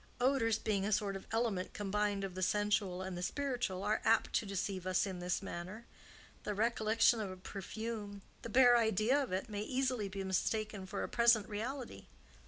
Odors, being a sort of element combined of the sensual and the spiritual, are apt to deceive us in this manner. The recollection of a perfume, the bare idea of it, may easily be mistaken for a present reality."